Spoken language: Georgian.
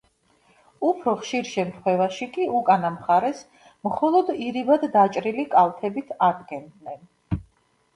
უფრო ხშირ შემთხვევაში კი უკანა მხარეს მხოლოდ ირიბად დაჭრილი კალთებით ადგენდნენ.